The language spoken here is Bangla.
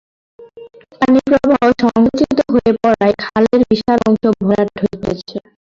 পানি প্রবাহ সংকুচিত হয়ে পড়ায় খালের বিশাল অংশ ভরাট হয়ে পড়েছে।